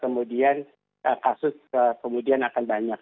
kemudian kasus kemudian akan banyak